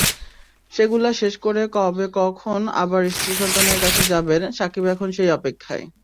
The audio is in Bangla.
সেগুলো শেষ করে কখন আবার স্ত্রী-সন্তানের কাছে যাবেন, সাকিব এখন সেই অপেক্ষায়।